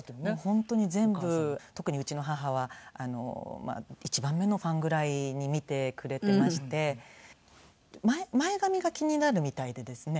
本当に全部特にうちの母は一番目のファンぐらいに見てくれていまして前髪が気になるみたいでですね